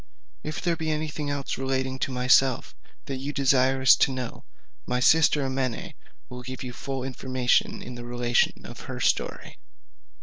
If there be any thing else relating to myself that you desire to know, my sister Amene will give you full information in the relation of her story.